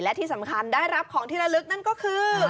และที่สำคัญได้รับของที่ละลึกนั่นก็คือ